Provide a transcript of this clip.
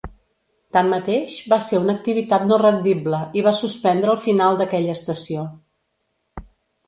Tanmateix, va ser una activitat no rendible i va suspendre al final d'aquella estació.